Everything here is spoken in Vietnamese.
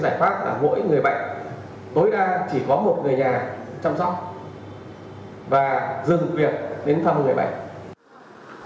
giải pháp là mỗi người bệnh tối đa chỉ có một người nhà chăm sóc và dừng việc đến thăm người bệnh